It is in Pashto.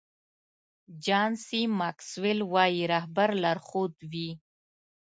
جان سي ماکسویل وایي رهبر لارښود وي.